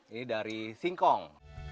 ini dari singkong